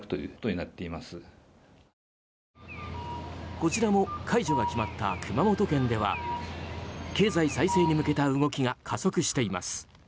こちらも解除が決まった熊本県では経済再生に向けた動きが加速しています。